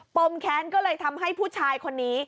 มแค้นก็เลยทำให้ผู้ชายคนนี้